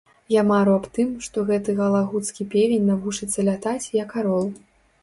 Я мару аб тым, што гэты галагуцкі певень навучыцца лятаць, як арол.